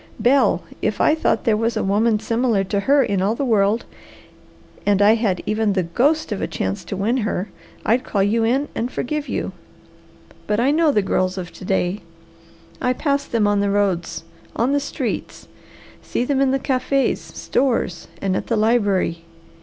Bel, if I thought there was a woman similar to her in all the world, and I had even the ghost of a chance to win her, I'd call you in and forgive you. But I know the girls of to day. I pass them on the roads, on the streets, see them in the cafe's, stores, and at the library.